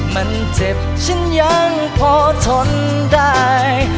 มันเจ็บฉันยังพอทนได้